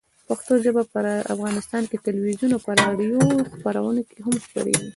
پښتو ژبه په افغانستان کې د تلویزیون او راډیو خپرونو کې هم خپرېږي.